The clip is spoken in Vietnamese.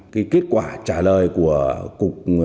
cái kết quả trả lời của cục